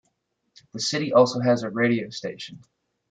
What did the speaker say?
The city also has a radio station.